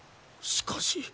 しかし。